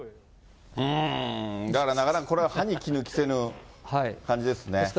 だからなかなかこれは歯にきぬ着せぬ感じですね。